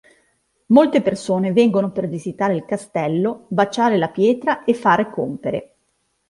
Molte persone vengono per visitare il castello, baciare la pietra e fare compere.